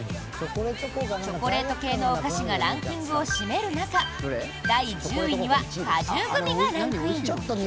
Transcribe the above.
チョコレート系のお菓子がランキングを占める中第１０位には果汁グミがランクイン。